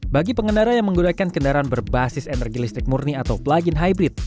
bagi pengendara yang menggunakan kendaraan berbasis energi listrik murni atau plug in hybrid